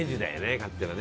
勝手なね。